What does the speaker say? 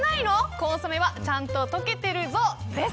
コンソメはちゃんと溶けてるぞ！です。